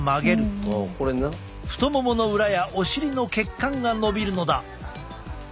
太ももの裏やお尻の血管がのびるのだ。